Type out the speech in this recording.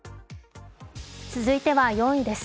続いては４位です。